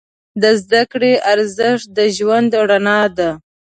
د زده کړې ارزښت د ژوند رڼا ده.